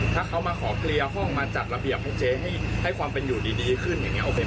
ถ้าเขามาขอเคลียร์ห้องมาจัดระเบียบให้เจ๊ให้ความเป็นอยู่ดีขึ้นอย่างนี้โอเค